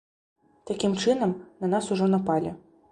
Такім чынам, на нас ужо напалі.